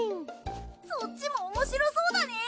そっちもおもしろそうだね。